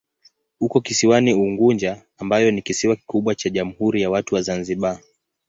Uko kisiwani Unguja ambayo ni kisiwa kikubwa cha Jamhuri ya Watu wa Zanzibar.